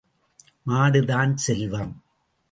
மாடு தான் செல்வம்.